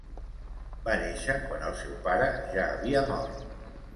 Va néixer quan el seu pare ja havia mort.